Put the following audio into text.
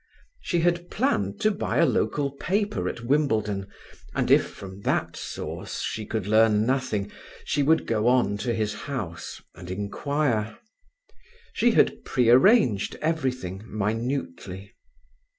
She had planned to buy a local paper at Wimbledon, and if from that source she could learn nothing, she would go on to his house and inquire. She had prearranged everything minutely.